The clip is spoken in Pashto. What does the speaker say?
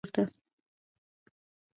د مرکز څخه لویدیځ لورته